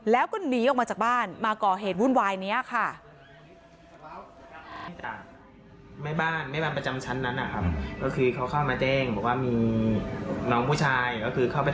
แล้วก็หนีออกมาจากบ้านมาก่อเหตุวุ่นวายนี้ค่ะ